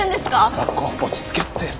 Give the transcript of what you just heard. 雅子落ち着けって。